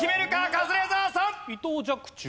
カズレーザーさん！